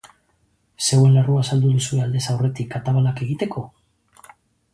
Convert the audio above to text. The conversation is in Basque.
Zeuen larrua saldu duzue aldez aurretik atabalak egiteko?